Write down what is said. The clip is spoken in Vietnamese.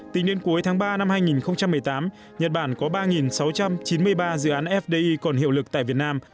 tính đến cuối tháng ba năm hai nghìn một mươi tám nhật bản có ba sáu trăm chín mươi ba dự án fdi còn hiệu lực tại việt nam